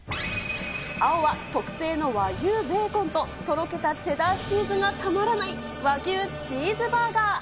青は、特製の和牛ベーコンととろけたチェダーチーズがたまらない和牛チーズバーガー。